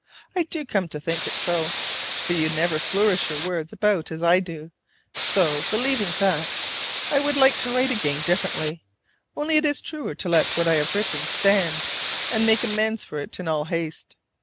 I do come to think so, for you never flourish your words about as I do: so, believing that, I would like to write again differently; only it is truer to let what I have written stand, and make amends for it in all haste.